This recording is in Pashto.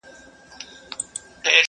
جانان ستا وي او په برخه د بل چا سي,